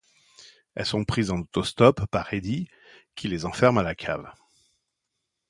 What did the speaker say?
Elles sont prises en auto-stop par Eddy, qui les enferme à la cave.